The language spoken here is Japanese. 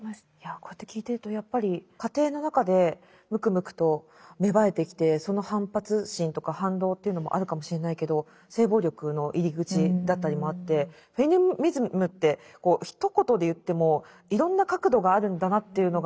こうやって聞いてるとやっぱり家庭の中でむくむくと芽生えてきてその反発心とか反動というのもあるかもしれないけど性暴力の入り口だったりもあってフェミニズムってひと言で言ってもいろんな角度があるんだなというのが。